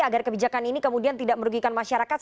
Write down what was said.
agar kebijakan ini kemudian tidak merugikan masyarakat